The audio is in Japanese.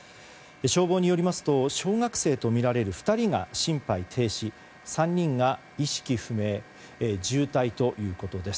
消防によりますと小学生とみられる２人が心肺停止、３人が意識不明の重体ということです。